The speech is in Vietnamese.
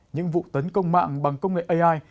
những vụ tấn công mạng bằng công nghệ ai